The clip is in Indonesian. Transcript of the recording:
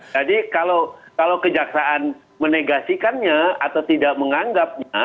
jadi kalau kejaksaan menegasikannya atau tidak menganggap